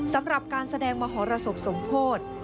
สำหรับการแสดงมหรสบสมโพธิ